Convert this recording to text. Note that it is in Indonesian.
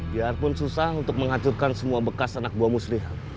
biarpun susah untuk menghancurkan semua bekas anak buah muslihat